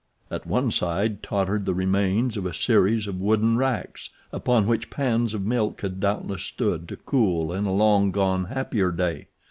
At one side tottered the remains of a series of wooden racks upon which pans of milk had doubtless stood to cool in a long gone, happier day.